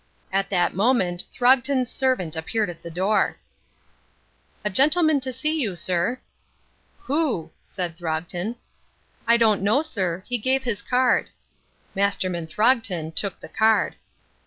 At that moment Throgton's servant appeared at the door. "A gentleman to see you, sir." "Who?" said Throgton. "I don't know, sir, he gave his card." Masterman Throgton took the card.